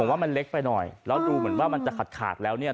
ผมว่ามันเล็กไปหน่อยแล้วถูกเหมือนมันจะขาดแล้วเนี่ย